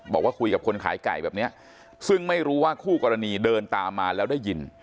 บอกว่าคุยกับคนขายไก่แบบนี้ซึ่งไม่รู้ว่าคู่กรณีเดินตามมาแล้วได้ยิน